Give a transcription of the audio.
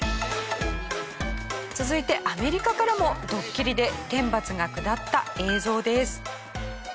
続いてアメリカからもドッキリで天罰が下った映像です。